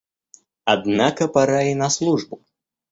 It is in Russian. Однако пора и на службу